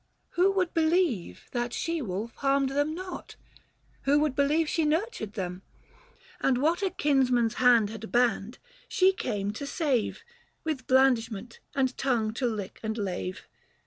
Who would believe that she wolf harmed them not ? 430 Who would believe she nurtured them ? and what A kinsman's hand had banned, she came to save W^ith blandishment and tongue to lick and lave